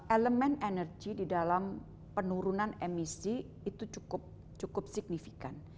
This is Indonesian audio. elemen energi di dalam penurunan emisi itu cukup signifikan